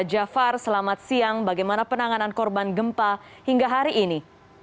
jafar selamat siang bagaimana penanganan korban gempa hingga hari ini